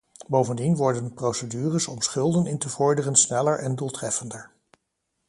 Bovendien worden de procedures om schulden in te vorderen sneller en doeltreffender.